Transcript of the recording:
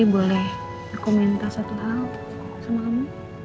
boleh aku minta satu hal sama kamu